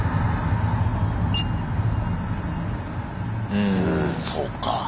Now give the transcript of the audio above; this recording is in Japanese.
うんそうか。